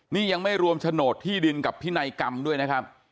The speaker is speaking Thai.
นี่ยังไม่รวมโฉนดที่ดินกับพินัยกรรมด้วยนะครับ